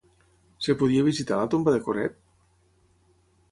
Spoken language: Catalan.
Es podia visitar la tomba de Coreb?